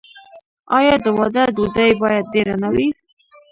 آیا د واده ډوډۍ باید ډیره نه وي؟